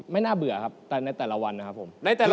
น่าเบื่อครับแต่ในแต่ละวันนะครับผม